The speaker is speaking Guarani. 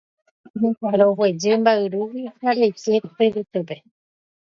Roguejy mba'yrúgui ha roike tyvytýpe